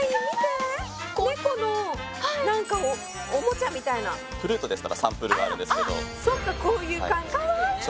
ここの何かおもちゃみたいなプルートでしたらサンプルがあるんですけどそっかこういう感じですね